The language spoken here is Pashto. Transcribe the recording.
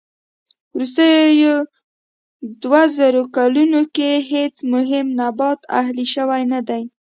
وروستيو دووزرو کلونو کې هېڅ مهم نبات اهلي شوی نه دي.